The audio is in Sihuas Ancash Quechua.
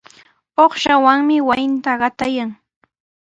Uqshawanmi wasinta qataykan.